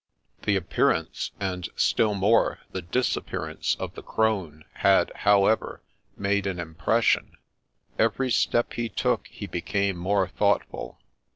The appearance, and still more, the disappearance of the crone, had, however, made an impression ; every step he took he became more thoughtful.